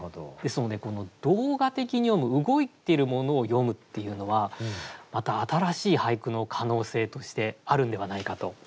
ですので動画的に詠む動いているものを詠むっていうのはまた新しい俳句の可能性としてあるんではないかと。